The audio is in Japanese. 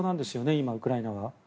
今、ウクライナは。